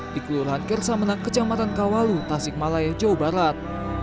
di kelurahan kersamenang kecamatan kawalu tasik malaya jawa barat